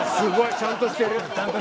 ちゃんとしてる。